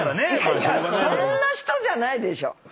そんな人じゃないでしょ。